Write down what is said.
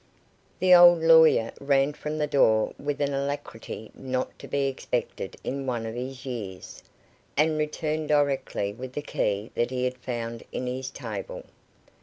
The old lawyer ran from the door with an alacrity not to be expected in one of his years, and returned directly with the key that he had found in his table.